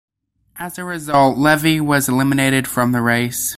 As a result, Levy was eliminated from the race.